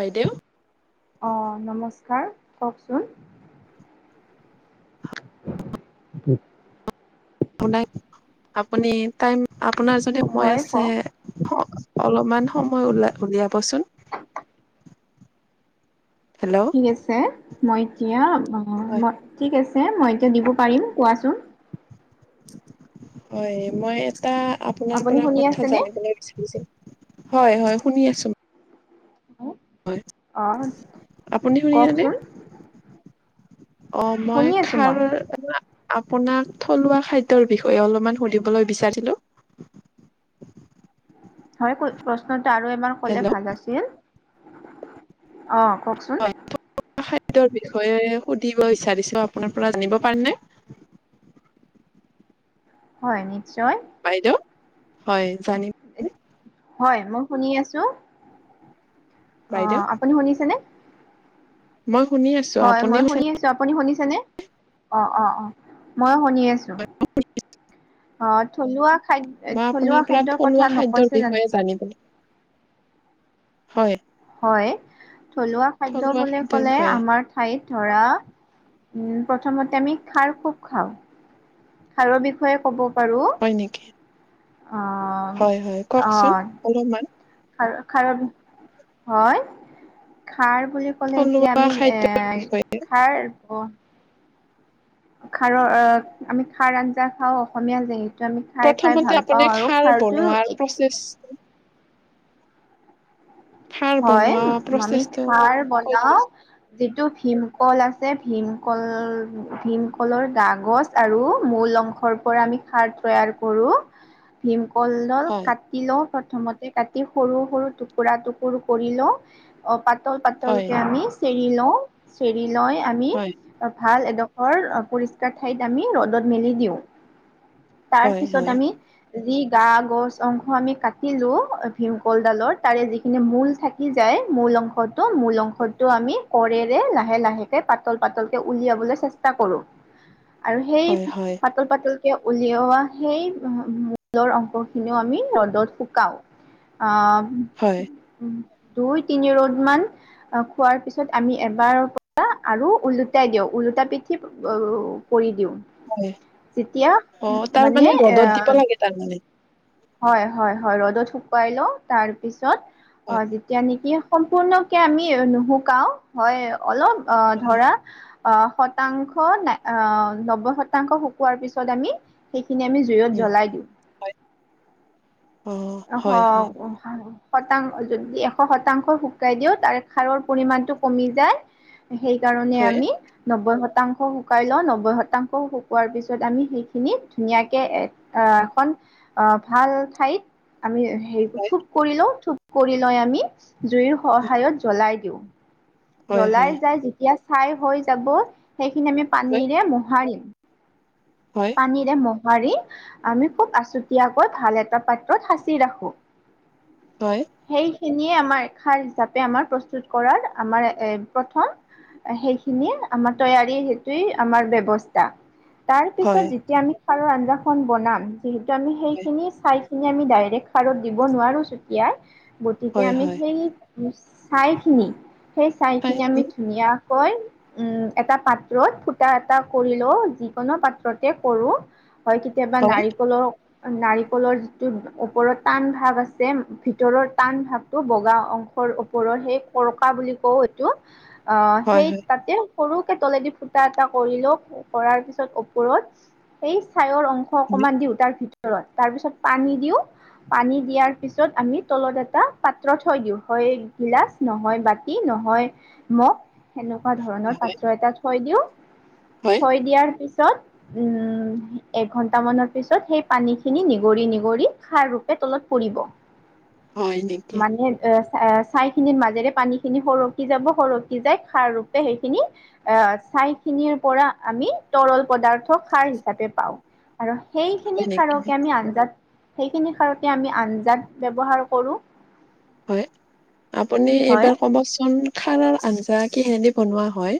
বাইদেউ অঁ! নমস্কাৰ। কওক চোন? [unintelligible] মানে আপুনি টাইম আপোনাৰ যদি সময় হয় আছে কওক। অ অলপমান সময় ওলাই উলিয়াব চোন। হেল্ল'! ঠিক আছে। মই এতিয়া অঁ হয় মই ঠিক আছে মই এতিয়া দিব পাৰিম কোৱা চোন। হয়, মই এটা আপোনাৰ আপুনি পৰা শুনি কথা আছেনে? জানিবলৈ বিচাৰিছিলোঁ। হয়-হয়, শুনি আছোঁ। হয়। অঁ আপুনি শুনিলে নে? কওকচোন অ মই শুনি আছোঁ খাৰ মই। [unintelligible] আপোনাক থলোৱা খাদ্যৰ বিষয়ে অলপমান সুধিবলৈ বিচাৰিলোঁ। [inaudible] হয়, প্ৰশ্নটো আৰু এবাৰ ক'লে হেল্ল' ভাল আছিল। অঁ কওক চোন? থলুৱা খাদ্যৰ বিষয়ে সুধিব বিচাৰিছোঁ আপোনাৰ পৰা জানিব পাৰিম নে? হয়, নিশ্চয়। বাইদেউ, হয় জানিম হয়, মই শুনি আছোঁ। বাইদেউ অঁ! আপুনি শুনিছেনে? মই শুনি আছোঁ। হয়, মই শুনি আছোঁ। আপুনি শুনিছেনে? অঁ-অঁ-অঁ! মই শুনি আছোঁ। অঁ থলুৱা খাদ মই আপোনাৰ পৰা থলুৱা খাদ্যৰ বিষয়ে জানিবলৈ [unintelligible] হয়। হয়, থলুৱা খাদ্য থলুৱা বুলি খাদ্যৰ ক'লে বিষয়ে আমাৰ ঠাইত ধৰা উম প্ৰথমতে আমি খাৰ খুব খাওঁ। খাৰৰ বিষয়ে ক'ব পাৰোঁ। হয় নিকি? অ' হয়-হয়, কওক চোন অ' অলপমান। খাৰ খাৰৰ বি হয়, খাৰ বুলি ক'লে এতিয়া থলুৱা আমি এ খাদ্যৰ বিষয়ে খাৰ বন খাৰৰ অ আমি খাৰ আঞ্জা খাওঁ অসমীয়া যিহেত যিহেতু আমি খাৰ খাই ভাল পাওঁ আৰু খাৰতো এক টেষ্ট [unintelligible] খাৰ হয়, বনোৱা আমি প্ৰচেছটো খাৰ কৈ বনাওঁ। দিবচোন যিটো ভীমকল আছে, ভীমকল ভীমকলৰ গা গছ আৰু মূল অংশৰ পৰা আমি খাৰ তৈয়াৰ কৰোঁ। [inaudible] ভীমকলৰ হয় কাটি লওঁ প্ৰথমতে, কাটি সৰু-সৰু টুকুৰা-টুক সৰু-সৰু কৰি লওঁ, অঁ হয় পাতল-পাতলকে আমি চেৰি লওঁ। চেৰি লৈ আমি হয় ভাল এডোখৰ পৰিষ্কাৰ ঠাইত আমি ৰ'দত মেলি দিও। হয় তাৰপিছত হয় আমি যি গা-গছ অংশ আমি কাটিলো ভীমকলডালৰ তাৰে যি যে মূল থাকি যায়, মূল, মূল অংশটো কৰেৰে লাহে-লাহে যে পাতল-পাতল কে উলিয়াবলৈ চেষ্টা কৰো। [inaudible] আৰু সেই হয় হয় পাতল পাতল-পাতলকে উলিওৱা সেই মূলৰ অংশ খিনিও আমি ৰ'দত শুকাও। অ', হয়। দুই তিনি ৰ'দ মান খোৱাৰ পিছত আমি এবাৰ পৰা আৰু ওলোটাই দিওঁ, ওলোটা পিঠি কৰি দিওঁ। হয় যেতিয়া অ তাৰ মানে ৰ'দত দিব আহ লাগে তাৰমানে হয়, হয়, হয় ৰ'দত শুকুৱাই লও তাৰপিছত হয় অ' যেতিয়া নেকি সম্পূৰ্ণকে আমি নুশুকাও হয় অলপ অ' হয় ধৰা অ' শতাংশ ন নব্বৈ শতাংশ শুকোৱাৰ পিছত আমি সেইখিনি আমি জুইত উম জ্বলাই দিওঁ হয় অ হয় হয় অ' শতাংশ যদি এশ শতাংশ শুকাই দিওঁ তাৰে হাৰ পৰিমাণটো কমি যায়। সেইকাৰণে হয় আমি নব্বৈ শতাংশ শুকাই লওঁ নব্বৈ শতাংশ শুকোৱাৰ পিছত আমি সেইখিনি ধুনীয়াকে অ'এখন অ' ভাল ঠাইত আমি হেৰি হয় থোপ কৰি লও থোপ কৰি লৈ আমি জুইৰ সহায়ত জ্বলাই দিওঁ। হয় জ্বলাই হয় যাই যেতিয়া চাই হৈ যাব সেইখিনি আমি হয় পানীৰে মোহাৰিম হয়। পানীৰে মোহাৰি আমি খুব আছুতীয়াকৈ ভাল এটা পাত্ৰত সাঁচি ৰাখো। হয়। সেইখিনিয়ে আমাৰ খাৰ হিচাপে আমাৰ প্ৰস্তুত কৰাৰ আমাৰ এ প্ৰথম সেইখিনি আমাৰ তৈয়াৰী সেইটোৱে আমাৰ ব্যৱস্থা। তাৰ পিছত হয় যেতিয়া আমি সাৰৰ আঞ্জাখন বনাম যিহেতু আমি সেইখিনি চাই খি আমি ডাইৰেক্ট সাৰত দিব নোৱাৰো ছুতিয়াই গতিকে হয় হয় আমি হয় সেই ছাইখিনি সেই ছাইখিনি চাইছো আমি ধুনীয়া কৈ উম, এটা পাত্ৰত ফুটা এটা কৰি লও যিকোনো পাত্ৰতে কৰো। হয় কেতিয়াবা হয় নাৰিকলৰ, নাৰিকলৰ যিটো ওপৰৰত টান ভাগ আছে। ভিতৰৰ টান ভাগটো বগা অংশৰ ওপৰৰ সেই কৰকা বুলি কওঁ এইটো। অ' হয় সেই হয় তাতে সৰু কে তেলেদি ফুটা এটা কৰিলো কৰাৰ পিছত ওপৰত ছাইৰ অংশ অকণমান দিওঁ তাৰ ভিতৰত তাৰপিছত পানী দিওঁ পানী দিয়াৰ পিছত আমি তলত এটা পাত্ৰ থৈ দিওঁ হয় গিলাচ নহয় বাতি নহয় মগ সেনেকুৱা ধৰণৰ হয় হয় পাত্ৰ এটা থৈ দিও হয় থৈ দিয়াৰ পিছত উম, এ ঘন্ট মানৰ পিছত সেই পানী খিনি নিগৰি, নিগৰি খাৰ ৰূপে তলত পৰিব। হয় নি? মানে এ চ ছাই খিনিৰ মাজেৰে পানী খিনি সৰকি যাব সৰকি যাই খাৰ ৰূপে সেইখিনি আহ চাই খিনিৰ পৰা আমি তৰল পদাৰ্থ সাৰ হিচাপে পাওঁ। আৰু হয় সেইখিনি নেকি সাৰকে আমি আঞ্জাত, সেইখিনি সাৰক আমি আঞ্জাত ব্যৱহাৰ কৰো। হয়। আপুনি হয় এইবাৰ ক'বচোন। খাৰৰ আঞ্জা কিহদি বনোৱা হয়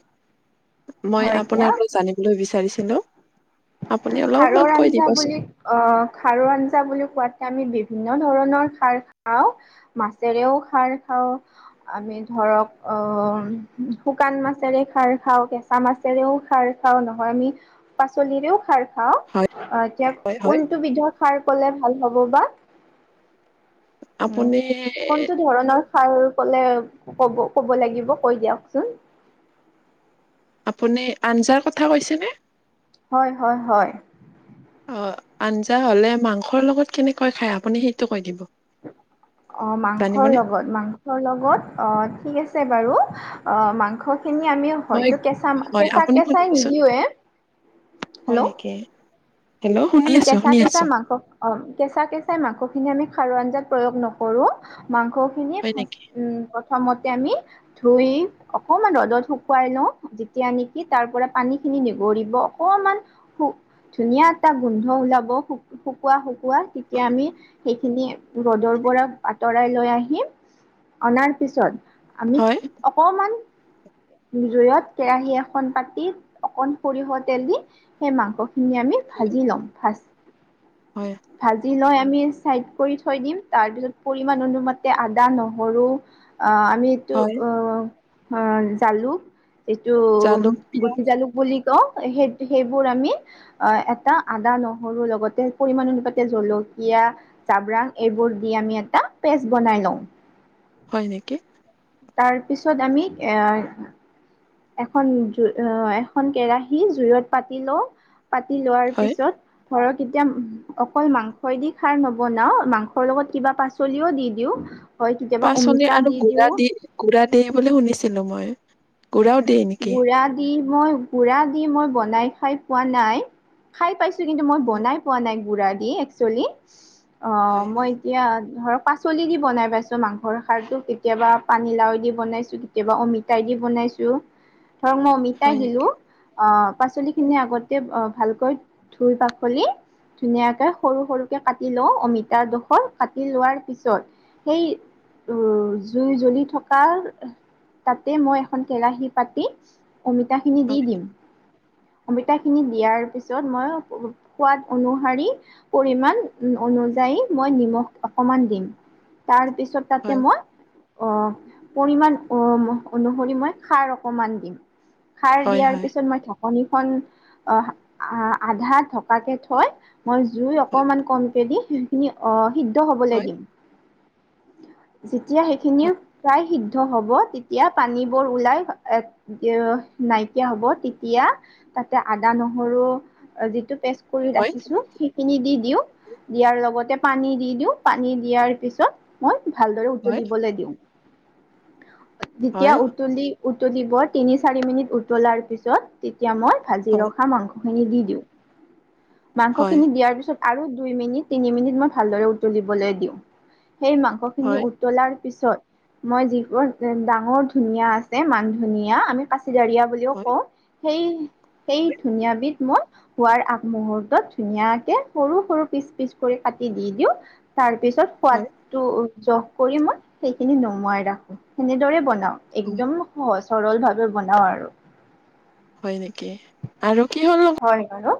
মই হয় এতিয়া আপোনাৰ পৰা জানিম বিচাৰিছোঁ। আপুনি অলপমান কৈ দিবাচোন। অহ্ খাৰ আঞ্জা বুলি কোৱাতে আমি বিভিন্ন ধৰণৰ খাৰ খাওঁ। মাছেৰেও খাৰ খাওঁ। আমি ধৰক অ' শুকান মাছেৰে খাৰ খাওঁ কেচ। চামাছেৰেও খাৰ খাওঁ নহয় আমি পাচলিৰেও। খাৰ খাওঁ হয় অ এতিয়া হয় হয় কোনটো বিধত খাৰ ক'লে ভাল হ'ব বা উম আপুনি কোনটো? ধৰণৰ সাৰ কলে ক'ব ক'ব লাগিব কৈ দিয়কচোন। আপুনি আঞ্জাৰ কথা কৈছেনে? হয় হয় হয়। অ' আঞ্জা হ'লে মাংসৰ লগত কেনেকৈ খাই আপুনি সেইটো কৈ দিব। অ' মাংসৰ জানিবনে লগত মাংসৰ লগত অ' ঠিক আছে বাৰু মাংস খিনি আমি মই হয়তো কেঁচা হয় কেঁচা আপুনি কেঁচাই শুনিবচোন নিদিওৱে। হয় নেকি হেল্ল' শুনি আমি আছো কেঁচা শুনি কেঁচা আছোঁ। মাংস অ' কেঁচা কেচাই মাংসখিনি আমি খাৰ আঞ্জাত প্ৰয়োগ নকৰো মাংসখিনি। হয় নেকি উম। প্ৰথমতে আমি ধুই অকমান ৰ'দত শুকুৱাই লওঁ। যেতিয়া নেকি তাৰ পৰা পানী খিনি নিগৰিব অকমান ধুনীয়া। এটা গোন্ধ ওলাব শুকোৱা শুকোৱা তেতিয়া হয় আমি। সেইখিনি ৰ'দৰ পৰা আঁতৰাই লৈ আহিম, অনাৰ পিছত। আমি হয় অকমান জুইৱত কেৰাহী এখন পাতি অকন সৰিয়হ তেল দি সেই মাংসখিনি আমি ভাজি লম ভাজি। হয় দি লৈ আমি চাইড কৰি থৈ দিম। তাৰপিছত পৰিমাণ অনুমতে আদা নহৰু। অ' আমি। এইটো হয় অ' জালুক এইটো জালুক পিয়াজ গুটি জালুক বুলি তো সেই সেইবোৰ আমি অ' এটা আদা নহৰু লগতে পৰিমান অনুপাতে জলকীয়া। চাব্ৰং। এইবোৰ দি আমি এটা পেষ্ট বনাই লওঁ। হয় নেকি? তাৰপিছত আমি এ এখন কেৰাহী জুই আহ এখন কেৰাহী জুৱইত পাতি লওঁ। পাতি লোৱাৰ হয় পিছত ধৰক এতিয়া। অকল মাংসই দি খাৰ নবনাও মাংসৰ লগত কিবা পাচলিও দি দিওঁ। হয় কেতিয়াবা পাচলি অমিতা আৰু দি গুড়া দিওঁ। গুড়া দে বুলি শুনিছিলো মইও। গুৰাও দিয়ে। গুৰা দি মই গুৰা দি মই বনাই খাই পোৱা নাই। খাই পাইছোঁ কিন্তু মই হয় বনাই পোৱা নাই গুড়া দি একচুৱেলি অ' হয় মই। হয় এতিয়া ধৰক পাচলি দি বনাই পাইছো মাংসৰ সাৰটো কেতিয়াবা পানী লাও দি বনাইছো। কেতিয়াবা অমিতাই দি বনাইছো ধৰক মই অমিতাই হয় নেকি দিলোঁ। আহ্ পাচলিখিনি আগতে ভালকৈ ধুই পাখলি। ধুনীয়াকে সৰু সৰুকে কাটি লওঁ অমিতাৰ জোখত কাটি লোৱাৰ পিছত সেই জুই জ্বলি থকাৰ তাতে মই এখন কেৰাহিত পাতি অমিতা খিনি দি হয় দিম। অমিতাখিনি দিয়াৰ পিছত মই সোৱাদ অনুসৰি পৰিমান অনুযায়ী মই নিমখ অকমান দিম, তাৰপিছত তাতে হয় মই অ', পৰিমান অনুসৰি মই খাৰ অকণ অকমাণ মান দিম, খাৰ হয় দিয়াৰ হয় পিছত মই ঢাকনি খন আহ, আধা ঢকাকে থৈ মই জুই হয় অকমান কমকে দি সেইখিনি অ', সিদ্ধ হ'বলৈ দিম। যেতিয়া সেইখিনি প্ৰায় সিদ্ধ হ'ব তেতিয়া পানীবোৰ ওলাই এ এ নাইকিয়া হ'ব তেতিয়া তাতে আদা নহৰু যিটো পেষ্ট কৰি হয় ৰাখিছো। সেইখিনি দিওঁ দিয়াৰ লগতে পানী দি দিওঁ, পানী দিয়াৰ পিছত মই ভালদৰে হয় উতলিবলৈ দিওঁ, যেতিয়া হয় হয় হয় হয় উতলি উতলিব তিনি চাৰি মিনিট উতলাৰ পিছত, তেতিয়া মই ভাজি ৰখা মাংস মাংস দি দিওঁ, মাংস খিনি দিয়াৰ পিছত আৰু দুই মিনিট তিনি মিনিট মই ভালদৰে উতলিবলৈ দিওঁ, সেই মাংসখিনি হয় উতলাৰ পিছত মই যিবোৰ ডাঙৰ ধনিয়া আছে মান ধনিয়া আমি কাচিডাৰিয় বুলিও হয় হয় কওঁ সেই সেই ধনিয়া বিধ মই খোৱাৰ আগমহূুৰ্তত ধুনীয়াকে সৰু সৰু পিচ পিচ কৰি কাটি দি দিওঁ। তাৰ পিছত সোৱাদটো জহ কৰি মই সেইখিনি নুমুৱাই ৰাখো সনেদৰে বনাও। হয় একদম সহজ সৰল ভাৱে বনাও আৰু। হয়, নেকি আৰু কিহৰ হয় বাৰু।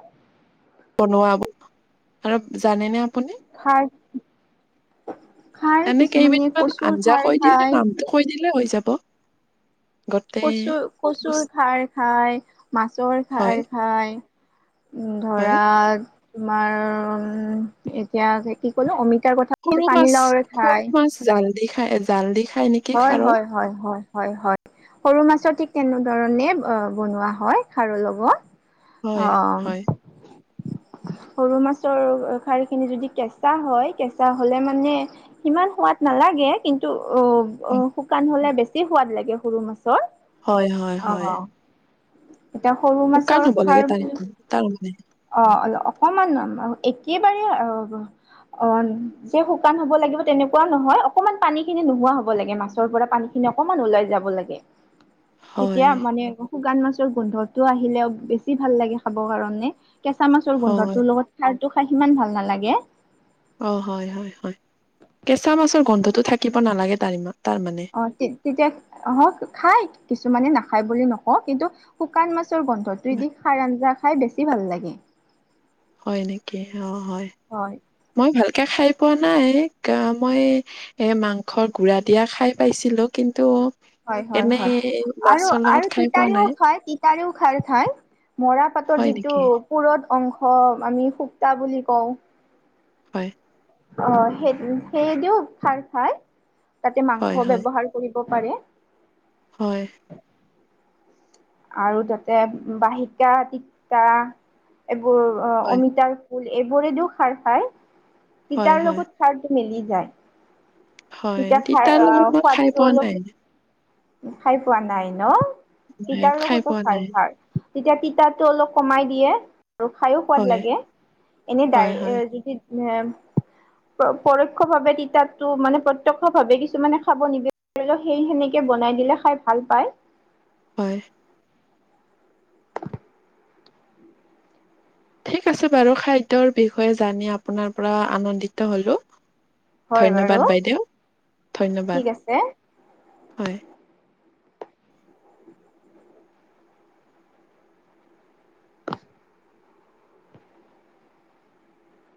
বনোৱাব আৰু জানেনে আপুনি? [unintelligible] খাৰ এনে কেইবিধ কিছুমানে মান কচুৰ আঞ্জা খাৰ কৈ দিলে খায় নামটো কৈ দিলে হৈ যাব। গোটেই কচু-কচুৰ বচ- খাৰ খায়, মাছৰ হয় খাৰ খায়। উম, হয় ধৰা তোমাৰ এতিয়া কি ক'লো অমিতাৰ সৰু কথা মাছ পানী লাওৰে সৰু খায়। মাছ জাল দি খাই জালদি খাই নেকি? হয়, খাৰৰ হয়, হয়, হয়, হয়, হয়। সৰু মাছৰ ঠিক তেনেধৰণে বনোৱা হয়, খাৰৰ লগত। হয় অ'। [inaudible] সৰু মাছৰ খাৰ খিনি যদি কেঁচা হয়, কেঁচা হ'লে মানে সিমান সোৱাদ নালাগে কিন্তু হয় অ', শুকান হ'লে বেছি সোৱাদ লাগে সৰু মাছৰ। হয়, হয়, অ হয়। এতিয়া সৰু শুকান মাছৰ হ'ব লাগে খাৰ তাৰ বুলি তাৰ মানে অ', অল অকমান একেবাৰে আহ অ', যে শুকান হ'ব লাগিব তেনেকুৱও নহয়, অকনমান পানী খিনি নোহোৱা হ'ব লাগে মাছৰ পৰা পানীখিনিৰ অকমান ওলাই যাব লাগে, তেতিয়া হয় মানে শুকান মাছৰ গোন্ধটো আহিলে বেছি ভাল লাগে খাবৰ কাৰণে, কেঁচা মাছৰ হয় গোন্ধটোৰ লগত খাৰটো খাই সিমান ভাল নালাগে। অ', হয়, হয়, হয়, কেঁচা মাছৰ গন্ধটো থাকিব নালাগে তাৰ তাৰ মানে? অ', তে-তেতিয়া আহ খাই কিছুমানে নাখায় বুলি নকওঁ, কিন্তু শুকান মাছৰ গন্ধটোৱে দুইদি সাৰ আঞ্জা খাই বেছি ভাল লাগে। হয়ঁ নেকি অঁ হয় মই ভালকে খাই পোৱা নাই মই- এ মাংসৰ গুড়া দিয়া খাই পাইছিলো কিন্তু- হয়ঁ, হয়ঁ, এনে হয়ঁ। আৰু মাছৰ লগত আৰু খাই পোৱা তিতাৰিও নাই খায় তিতাৰিও খাৰ খায় মৰা পাতৰ হয় নেকি যিটো- পোৰত অংশ আমি সুকতা বুলি কওঁ। হয়ঁ! অঁ' সেই সেইদিও খাৰ খায় তাতে হয় মাংস ব্যৱহাৰ কৰিব পাৰে। হয়ঁ! আৰু তাতে বাহিকা তিতা এইবোৰ হয় অমিতাৰ- এইবোৰে দিয়ো খাৰ খায় হয় তিতাৰ হয় লগত খাৰতো মেলি যায়। হয় তেতিয়া খাই তিতাৰ লগত আহ মই খাই সোৱাদটো পোৱা অলপ নাই খাই পোৱা নাই নহ। নাই তিতা লগতো পোৱা খাই নাই খাৰ তেতিয়া তিতাতো অলপ কমাই দিয়ে। আৰু খাইয়ো সোৱাদ হয় লাগে এনে হয় ডাই হয় এ যদি এ- পৰোক্ষ ভাৱে তিতাতটো মানে প্ৰত্যক্ষ ভাৱে কিছুমানে খাব নিবি- ধৰি লওঁক সেই সিনিকে বনাই দিলে খাই ভাল পায়। হয়ঁ। ঠিক আছে বাৰু খাদ্যৰ বিষয়ে জানি আপোনাৰ পৰা আনন্দিত হ'লোঁ। হয় বাৰু ধন্যবাদ বাইদেউ ধন্যবাদ ঠিক আছে হয়ঁ।